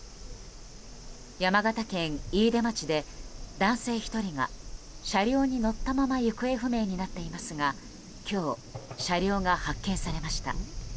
山形県飯豊町で男性１人が車両に乗ったまま行方不明になっていますが今日、車両が発見されました。